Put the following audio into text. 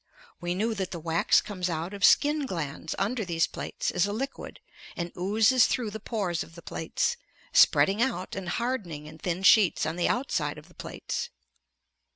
We knew that the wax comes out of skin glands under these plates as a liquid, and oozes through the pores of the plates, spreading out and hardening in thin sheets on the outside of the plates.